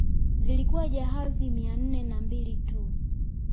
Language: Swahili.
Zilikuwa jahazi mia nne na mbili tu